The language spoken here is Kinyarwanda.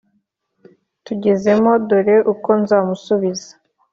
tugezemo dore uko nzamusubiza